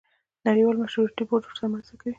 نړیوال مشورتي بورډ ورسره مرسته کوي.